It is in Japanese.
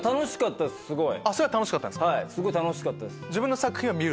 すごい楽しかったです。